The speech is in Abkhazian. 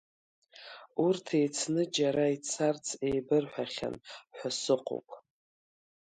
Урҭ еицны џьара ицарц еибырҳәахьан ҳәа сыҟоуп.